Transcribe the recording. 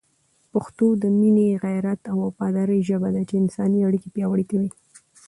پښتو د مینې، غیرت او وفادارۍ ژبه ده چي انساني اړیکي پیاوړې کوي.